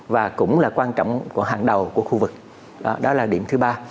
và cũng là quan trọng của hàng đầu của khu vực đó là điểm thứ ba